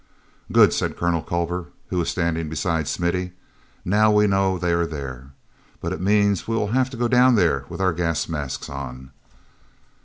"Good," said Colonel Culver, who was standing beside Smithy. "Now we know they are there—but it means we will have to go down there with our gas masks on."